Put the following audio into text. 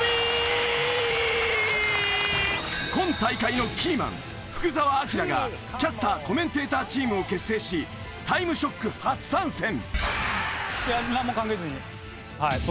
今大会のキーマン福澤朗がキャスター・コメンテーターチームを結成し『タイムショック』初参戦！